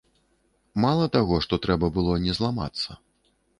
Мала таго, што трэба было не зламацца.